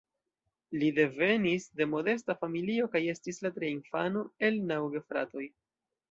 Li devenis de modesta familio kaj estis la tria infano el naŭ gefratoj.